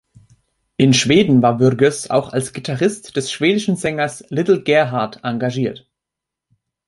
In Schweden war Würges auch als Gitarrist des schwedischen Sängers Little Gerhard engagiert.